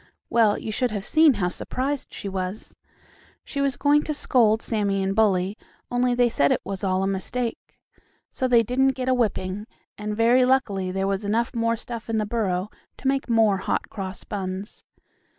Well, you should have seen how surprised she was. She was going to scold Sammie and Bully, only they said it was all a mistake. So they didn't get a whipping, and very luckily there was enough more stuff in the burrow to make more Hot Cross Buns.